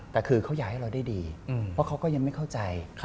แต่คือเขาอยากให้เราได้ดีเพราะเขาก็ยังไม่เข้าใจ